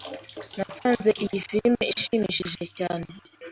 Nasanze iyi film ishimishije cyane.